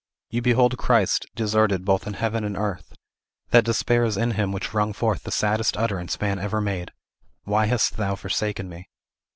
You behold Christ deserted both in heaven and earth; that despair is in him which wrung forth the saddest utterance man ever made, "Why hast Thou forsaken me?"